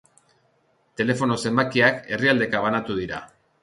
Telefono zenbakiak herrialdeka banatu dira.